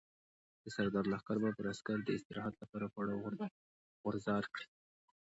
د سردار لښکر به پر سکر د استراحت لپاره پړاو غورځار کړي.